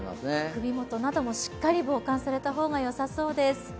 首元などもしっかり防寒された方がよさそうです。